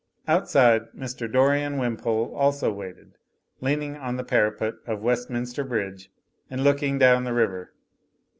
Outside, Mr. Dorian Wimpole also waited, leaning on the parapet of Westminster Bridge and looking down the river.